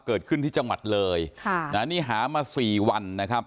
เกิดขึ้นที่จังหวัดเลยค่ะนะนี่หามาสี่วันนะครับ